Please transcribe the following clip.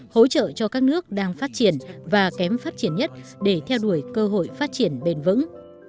hỗ trợ cho các nước đang phát triển và kém phát triển nhất để theo đuổi cơ hội phát triển bền vững